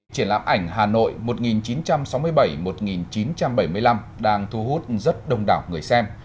triển lãm ảnh hà nội một nghìn chín trăm sáu mươi bảy một nghìn chín trăm bảy mươi năm đang thu hút rất đông đảo người xem